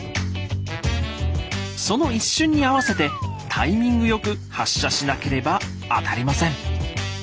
その一瞬に合わせてタイミングよく発射しなければ当たりません。